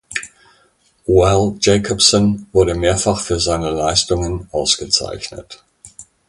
Val Jacobson wurde mehrfach für seine Leistungen ausgezeichnet.